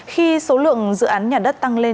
khi số lượng dự án nhà đất tăng lên